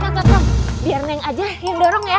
kan kan kan kan biar neng aja yang dorong ya